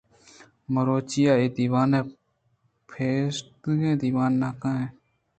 مروچاں اے دیوان پیشیگیں دیوان نہ اِنت